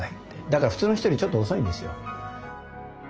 だから普通の人よりちょっと遅いんですよ。